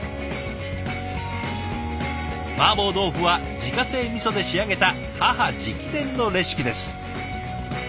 マーボー豆腐は自家製みそで仕上げた母直伝のレシピです。